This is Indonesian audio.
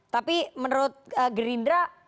tapi menurut gerindra